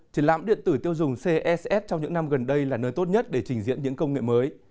triển lãm điện tử tiêu dùng cess trong những năm gần đây là nơi tốt nhất để trình diễn những công nghệ mới